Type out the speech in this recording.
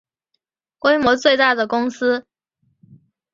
规模最大的公司